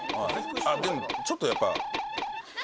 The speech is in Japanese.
あっでもちょっとやっぱ。